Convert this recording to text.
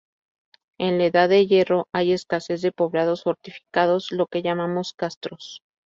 En la edad de hierro, hay escasez de poblados fortificados, lo que llamamos castros.